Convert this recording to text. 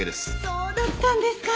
そうだったんですか！